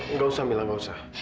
enggak usah mila enggak usah